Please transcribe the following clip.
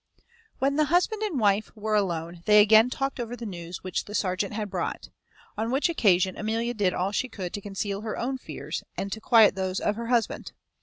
_ When the husband and wife were alone they again talked over the news which the serjeant had brought; on which occasion Amelia did all she could to conceal her own fears, and to quiet those of her husband.